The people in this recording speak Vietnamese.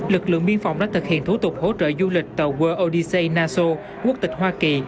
lực lượng biên phòng đã thực hiện thủ tục hỗ trợ du lịch tàu worldic naso quốc tịch hoa kỳ